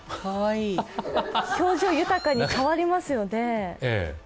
表情豊かに変わりますよね。